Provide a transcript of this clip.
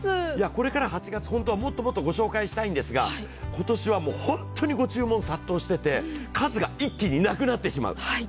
これから８月、もっともっとご紹介したいんですが今年は本当にご注文が殺到していて、数が一気になくなってしまう。